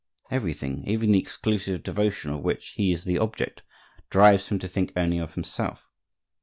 Everything, even the exclusive devotion of which he is the object, drives him to think only of himself.